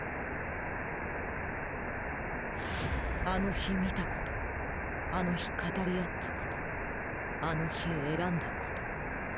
あの日見たことあの日語り合ったことあの日選んだこと。